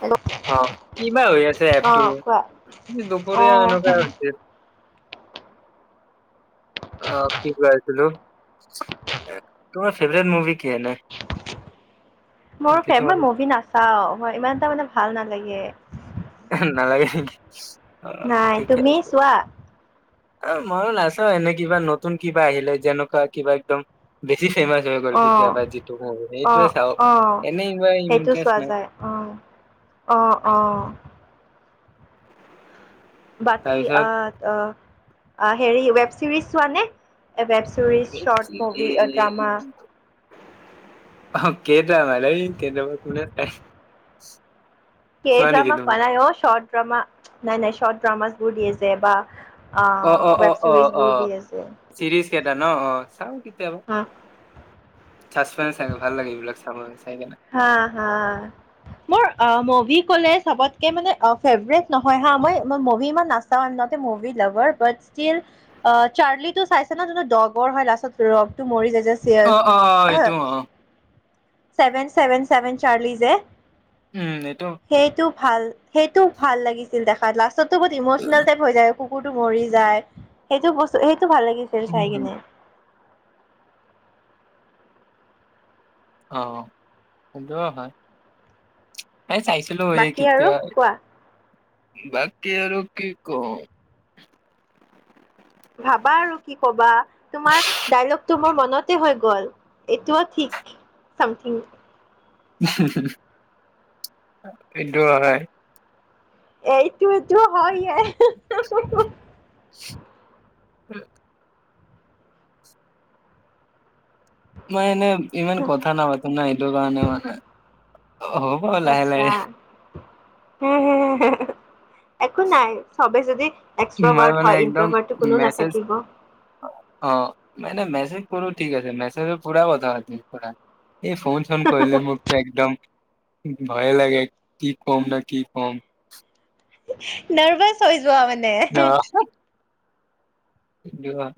Hello অ কিবা হৈ আছে এপটো, অ' কোৱা দুপৰীয়া এনেকুৱা অ' হৈছে। অঁ কি কৈ আছিলো? তোমাৰ ফেভৰেট মুভি কি এনেই? মোৰ ফেভ মই মানে মুভি নাচাও মই ইমান এটা মানে ভাল নালাগে। নালাগে নেকি? অ নাই, তুমি চোৱা? অ ময়ো নাচাওঁ এনে কিবা নতুন কিবা আহিলে যেনেকুৱা কিবা একদম বেছি ফেমাচ হৈ গ'ল অ' কেতিয়াবা যিটো হয় মানে এইটোৱে অ' চাওঁ এনেই ইমান ইণ্টাৰেষ্ট নাই। অঁ অঁ অঁ। বাকী তাৰপিছত আহ অহ আ হেৰি ৱেব চিৰিজ চোৱা নে? ৱেব ছিৰিজ, শৰ্ট মুভি, অ ড্ৰামা অ কে ড্ৰামা এই কে ড্ৰামা কোনে চাই! কে চোৱা নেকি ড্ৰামা কোৱা তুমি নাই অ, শৰ্ট ড্ৰামা নাই নাই শৰ্ট ড্ৰামা বোৰ দিয়ে যে বা আ অ অ অ ৱেব অ চিৰিজ অ বোৰ দিয়ে যে। চিৰিজ কেইটা ন অঁ চাওঁ হা কেতিয়াবা। চাছপেনচ থাকে ভাল লাগে এইবিলাক চাব চাই কিনে। হা হা মোৰ অ মভি কলে চবত কে মানে অ ফেভৰেত নহয় হা মই মই মুভি ইমান নাচাও I am not a movie lover but still uh Charlie তো চাইছা ন যোনটো ডগৰ হয় লাষ্টত ডগটো মৰি যায় অ অ অ যে এইটো অ [unintelligible] চেভেন চেভেন চেভেন চাৰ্লি যে উম এইটো সেইটো ভাল সেইটো ভাল লাগিছিল দেখাত, লাষ্টতো বহুত ইমচনেল টাইপ হৈ যায়। কুকুৰটো মৰি যায় সেইটো বস্তু সেইটো ভাল লাগিছিল চাই উম কিনে। অ সেইটো হয়, এই চাইছো লো এই বাকী আৰু তেতিয়া কোৱা বাকি আৰু কি কম? ভাবা আৰু কি কবা তোমাৰ ডাইলগটো মোৰ মনতে হৈ গ'ল, এইটোও ঠিক চামথিং [unintelligible] এইটো হয়। এইটোৱেটো হৈয়ে [unintelligible] [unintelligible] মই এনে ইমান কথা নাপাতো না এইটো কাৰণে মানে, অ হ আচ্ছা [unintelligible] একো নাই সবে যদি মই এক্সট্ৰাৱাৰ্ড মানে হয় একদম ইনট্ৰাৱাৰ্ডটো কোনো মেছেজ নাথাকিব। অ মানে মেছেজ কৰো ঠিক আছে মেছেজৰ পোৰা কথা পাতি পোৰা। এই ফোন চোন কৰিলে মোকতো একদম ভয়ে লাগে কি কম ন কি কম। নাৰ্ভাচ হৈ যোৱা মানে? যোৱা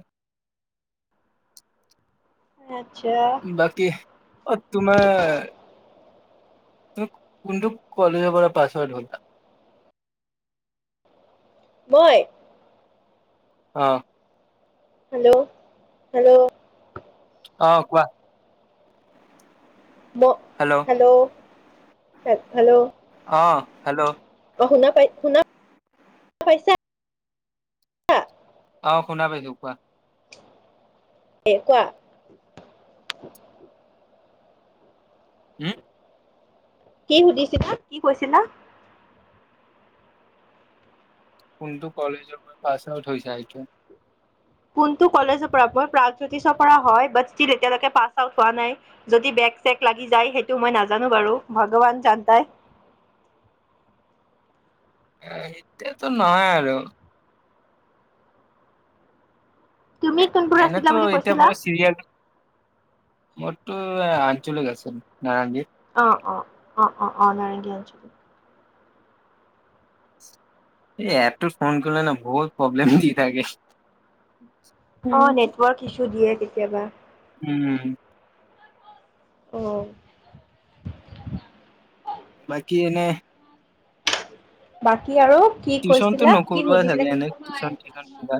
আচ্ছা। বাকী অ তোমাৰ তুমি কোনটো কলেজৰ পৰা পাছৱাউট হ'লা? মই? অহ। Hello hello. অ' কোৱা। ব হেল্ল'। Hello hello hello. অ' হেল্ল'। অ', শুনা পাই শুনা পাইছা? অ' শুনা পাইছো কোৱা? এ কোৱা? উম। কি সুধিছিলা কি কৈছিলা? কোনটো কলেজৰ পৰা পাছ আউট হৈছা সেইটো। কোনটো কলেজৰ পৰা মই প্ৰজোতিষৰ পৰা হয় বাট ইচটিল এতিয়ালৈকে পাছ আউট হোৱা নাই। যদি বেগ চেগ লাগি যায় সেইটো মই নাজানো বাৰু ভগৱান জান্তা হে। এ এতিয়াতো নহয় আৰু। তুমি কোনবোৰ আছিলা এনেতো বুলি এতিয়া কৈছিলা? পুৰা চিৰিয়েল মোৰটো আঞ্চলিক আছিল নাৰেংগীত। অ', অ' অ' অ' অ' নাৰেংগি আঞ্চলিক। এই এএটোত ফোন কৰিলে ন বহুত প্ৰব্লেম দি থাকে। অ', নেটৱৰ্ক ইছ্যু দিয়ে কেতিয়াবা। উম। অ'। বাকি এনে বাকী আৰু কি টিউচনটো কৈছিলা কি নকৰোৱা চাগে সুধিছিলা? এনে টিউচন চিউচন কিবা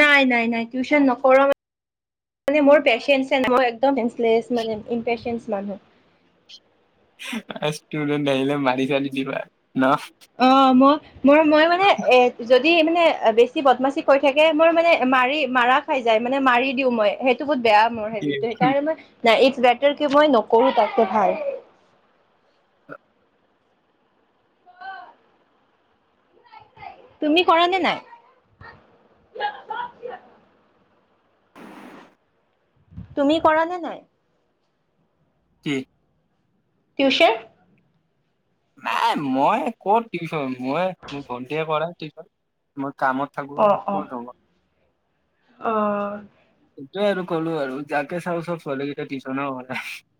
নাই নাই নাই। টিউশচন নকৰো মানে মানে মোৰ পেচেনচ নাই মানে ইমপেচেনচ মানুহ। স্তূদেন্ট আহিলে মাৰি চাৰি দিবা ন। অ', মই মোৰ মই মানে এ যদি মানে বেছি বদমাচি কৈ থাকে, মই মানে মাৰি মাৰা খাই যায় মানে মাৰি দিওঁ মই সেই বহুত বেয়া মোৰ কি হেবিটো সেইকাৰণ মই নাই ইটছ বেটাৰ কি মই নকৰো তাতে ভাল। তুমি কৰা নে নাই? তুমি কৰা নে নাই? কি? টিউশন। নাই মই ক'ত টিউশচন মই মোৰ ভন্টিয়ীয়ে কৰে টিউশচন মই কামত থাকো অ', অ', কত হব? অ'। সেইটোয়ে আৰু ক'লো আৰু যাকে চাও চব ছোৱালীকেইটা টিউশ্যনৰ কথা।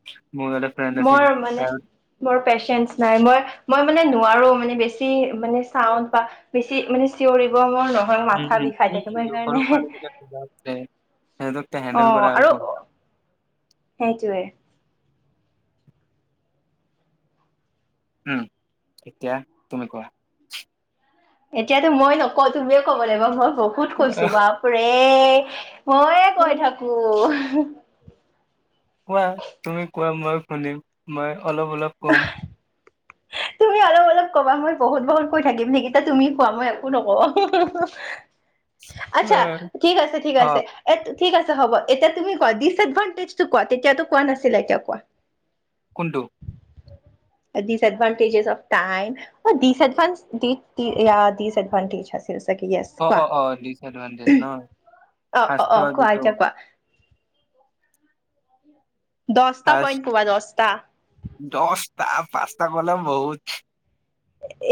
মই মানে মোৰ পেচেন্ঞ্চ নাই মই মই মানে নোৱাৰো মানে বেছি মানে চাউন বা বেছি মানে চিঞৰিব মই নহয় উম মাথা বিষাই থাকে। মই সেইকাৰণে সেহতক টো হেণ্ডেল কৰা আৰু সেইটোৱে। উম, এতিয়া তুমি কোৱা। এতিয়াতো মই নকওঁ তুমিয়ে কব লাগিব মই বহুত কৈছো বাপ ৰে। মইয়ে কৈ থাকো। কোৱা, তুমি কোৱা মই শুনিম মই অলপ অলপ ক'ম। তুমি অলপ অলপ কবা মই বহুত বহুত কৈ থাকিম নেকি? ত' তুমি কোৱা মই একো নকওঁ। আৎচ্ছা আহ, ঠিক আছে, ঠিক অ আছে। এ ঠিক আছে হ'ব, এতিয়া তুমি কোৱা, ডিচএডভানটেজটো কোৱা তেতিয়াটো কোৱা নাছিলা এতিয়া কোৱা। কোনটো? Disadvantages of time O দিছএডভান্স the the disadvantage আছি- লে চাগে ইয়েচ, অ অ কোৱা' অ ডিচএডভানটেজ ন অ অ অ ফাৰ্ষ্টৰ কোৱা যিটো এতিয়া কোৱা। দহটা পইণ্ট কোৱা দহটা দশটা পাঁচটা কলে বহুত।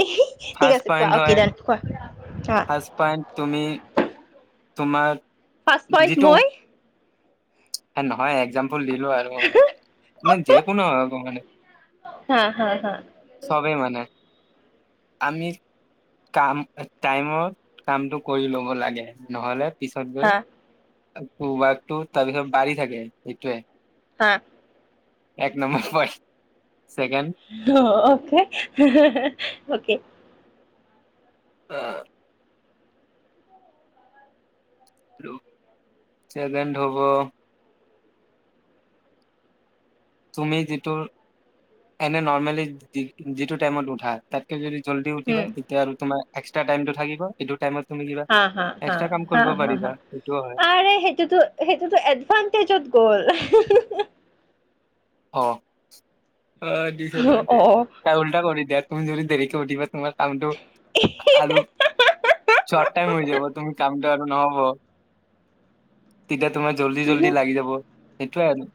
এ হি ঠিক ফাৰ্ষ্ট আছে কোৱা, অকে ডিন কোৱা। হাঁ' পায়েন্ট তুমি তোমাৰ- ফাৰ্ষ্ট পইণ্ট যিটো মই! এ নহয় একজাম- পুল দিলোঁ আৰু মানে যে কলো হব মানে। হা হা হা চবেই মানে, আমি- কাম টাইমত কামটো কৰি ল'ব লাগে। নহ'লে- পিছত গৈ হা তাৰপিছত বাঢ়ি থাকে সেটোৱে। হাঁ' এক নম্বৰ পইণ্ট, চেকেণ্ড- অকে, হেঁ হেঁ অকে। অঁ' চেকেণ্ড হব- তুমি যিটো, এনেই নৰ্মেলি যিটো টাইমত উঠা- তাতকে যদি জল্দি উঠিবা তেতিয়া আৰু তুমাৰ এক্সট্ৰা টাইমটো থাকিব সেইটো টাইমত তুমি কিবা- হাঁ হাঁ হাঁ এক্সট্ৰা কাম কৰিব হাঁ হাঁ পাৰিবা হাঁ সেইটোও হয় আৰে সেইটোতো- সেইটোতো এডভানটেজত গ'ল। অ' এ অ ডিচএডভানটেজ। উল্টা কৰি দিয়া, তুমি যদি দেৰিকে উঠিবা তোমাৰ কামটো আৰু- চৰ্ট টাইম হৈ যাব তুমি কামটো আৰু নহব। তেতিয়া তোমাৰ জল্দি জল্দি লাগি যাব, সেইটোয়ে আৰু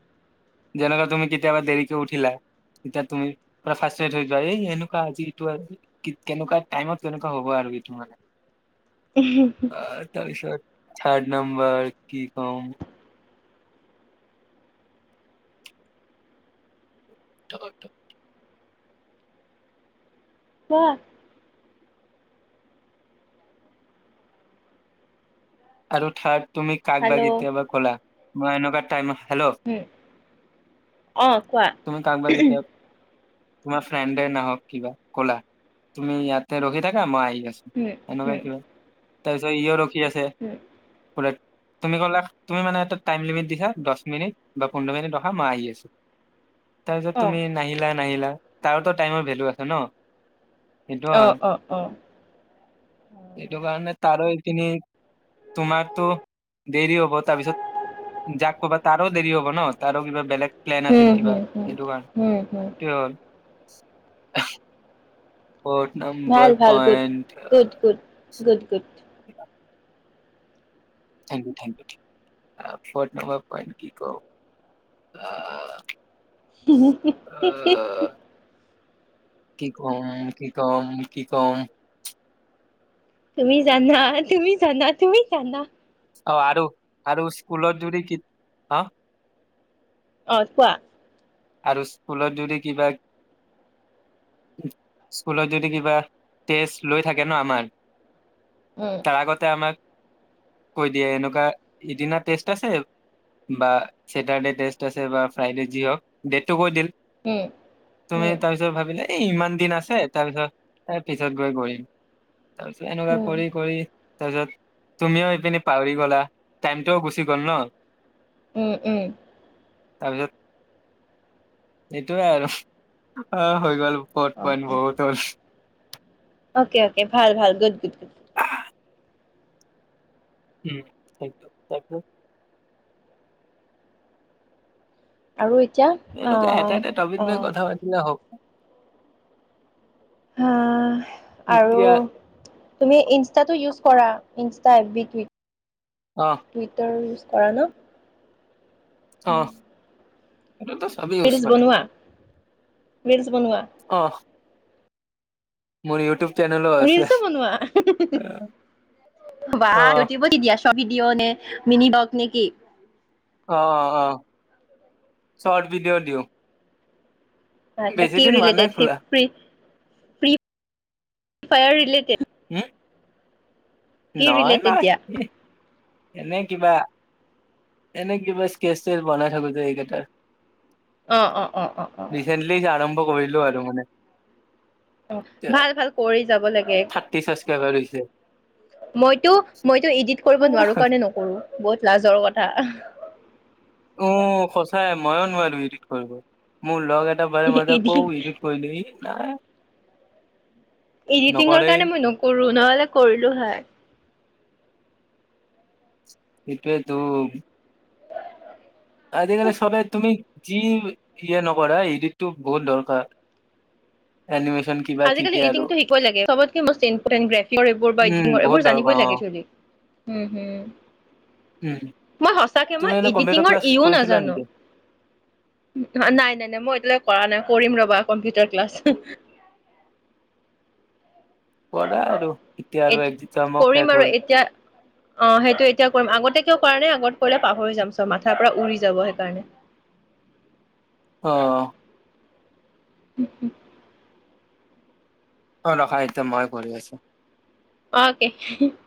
যেনেকুৱা- তুমি কেতিয়াবা দেৰিকে উঠিলা, এতিয়া তুমি পোৰা ফ্ৰস্তেড হৈ যোৱা এই এনেকুৱা আজি এইটো- কেনেকুৱা টাইমত কেনেকুৱা হ'ব আৰু এইটো মানে। এঁহে হুম' এ তাৰপিছত থাৰ্ড নম্বৰ কি কম! [unintelligible] কোৱা। আৰু থাৰ্ড তুমি কাক বা হেল্ল' কেতিয়াবা ক'লা মই এনেকুৱা টাইমত- হেল্লৌ' উম অ কোৱা তুমি কাক বা কেতিয়া- তোমাৰ ফ্ৰেণ্ডে নাহক কিবা ক'লা, তুমি ইয়াতে ৰখি থাকা মই আহি আছো। উম এনেকুৱা উম কিবা, তাৰপিছত সিও ৰখি আছে। হুওম' তুমি ক'লা, তুমি মানে এটা টাইম লিমিট দিছা দহ মিনিট বা পোন্ধৰ মিনিট ৰখা মই আহি আছোঁ। [inaudible] তাৰপিছত অ তুমি নাহিলা নাহিলা, তাৰতো টাইমৰ ভেলু আছে ন। সেইটো অ হয়, অ অ সেইটো কাৰণে তাৰো এইপিনে- তোমাৰতো দেৰি হ'ব, তাৰপিছত- যাক ক'বা তাৰো দেৰি হব ন তাৰো কিবা বেলেগ প্লেন আছিল উম কিবা হুম হুম সেইটো কাৰণ হুম হুম কি হ'ল ফৰ্থ ভাল নম্বৰ ভাল good point O good good good good thank you thank you ই ফৰ্থ নম্বৰ পইণ্ট কি ক আ [unintelligible] কি কম কি কম কি কম তুমি জানা তুমি জানা তুমি জানা অ আৰু আৰু স্কুলৰ যৰি কি অ অ কোৱা আৰু স্কুলত যদি কিবা স্কুলত যদি কিবা টেষ্ট লৈ থাকে ন আমাৰ উম তাৰ আগতে আমাক কৈ দিয়ে এনেকুৱা ইদিনা টেষ্ট আছে বা চেটাৰডে টেষ্ট আছে বা ফ্ৰাইডে যি হওক ডেটটো কৈ দিল উম তুমি উম তাৰপিছ পিছত ভাবিলে এই ইমান দিন আছে তাৰ পিছত পিছত গৈ কৰিম তাৰ পিছত এনেকুৱা উম কৰি কৰি তাৰপিছত তুমিও এইপিনে পাহৰি গ'লা টাইমটোও গুচি গ'ল ন উম উম তাৰপিছত এইটোয়ে আৰু অ হৈ গ'ল বত পইণ্ট অকে বহুত হল অকে অকে ভাল ভাল গুড গুড গুড উম তাকে তাকে আৰু এতিয়া অ এনেকুৱা এটা এটা টপিক লৈ অ কথা পাতিলে হব হা আৰু এতিয়া তুমি ইনষ্টাটো ইউজ কৰা ইনষ্টা এফ বি থ্ৰি অ টুইটাৰ ইউজ কৰা ন অ এইটো এটা চাবি ৰিলৰ্চ বনোৱা ৰিলৰ্চ বনোৱা অ মোৰ ইউটোব চেনেলৌ ৰিলচো বনোৱা বা অ ইউটোবতো দিয়া ভিডিঅ' নে মিনি ব্লক নে কি অ অ অ চট ভিডিঅ' দিওঁ আচ্ছা বেছি কি দিন হোৱা নাই ৰিলেটেড খোলা [unintelligible] ফ্ৰী ফায়াৰ ৰিলেটেড উম কি নহ ৰিলেটেড নাই দিয়া এ এনে কিবা এনে কিবা স্কেচ স্চেচ বনাই থাকো যে এইকেইটাৰ অ অ অ অ অ ৰিচেণ্টলি আৰম্ভ কৰিলো আৰু মানে অ ভাল ভাল কৰি যাব লাগে। থাৰ্টি ছাবস্ক্ৰাইবাৰ হৈছে। মইটো মইটো ইডিট কৰিব নোৱাৰো কাৰণে নকৰো। বহুত লাজৰ কথা উ' সঁচাই ময়ো নোৱাৰো ইডিট কৰিব, মোৰ লগ এটা পালে মই তাক ইডি কওঁ ইডিট কৰি‌ দিবি‌ নাই এডিটিঙৰ নকৰে কাৰণে মই নকৰো, নহ'লে কৰিলো হয়। সেইটোৱে তো। আজিকালি সবে তুমি যি যিয়ে নকৰা, ইডিতটো বহুত দৰকাৰ। এনিমেছন আজিকালি ইডিটিংটো শিকিবই লাগে, চবতকে মষ্ট ইম্পৰটেন্ট গ্ৰাফিকৰ এইবোৰ বা উম ইডিটিং বহুত এইবোৰ দৰকাৰ জানিবই অ লাগে। [unintelligible] হু হু। উম মই সঁচাকে তুমি মই, এনে কম্পিউটাৰ ইডিটিঙৰ ক্লাছ ইও কৰিছিলা নাজানো। নেকি? নাই নাই নাই মই এতিয়ালেকে কৰা নাই কৰিম ৰ'বা, কম্পিউটাৰ ক্লাছ। কৰা আৰু এতিয়া আৰু একজামো শেষ হ'ল। অঁ, সেইটো এতিয়া কৰিম। আগতে কিয় কৰা নাই, আগত কৰিলে পাহৰি যাম। চব মাথাৰ পৰা উৰি যাব সেকাৰণে। [inaudible] অঁ। [inaudible] অঁ, ৰখা এইটো মই কৰি আছো। অ'কে [unintelligible]